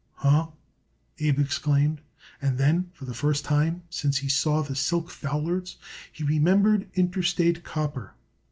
"Huh?" Abe exclaimed, and then, for the first time since he saw the silk foulards, he remembered Interstate Copper.